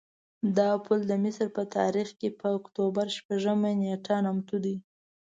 دا پل د مصر په تاریخ کې په اکتوبر شپږمه نېټه نامتو دی.